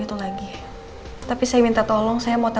illuminated dari alami berguna yang menyebabkan seluruhjelek